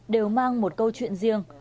đều mang một câu chuyện riêng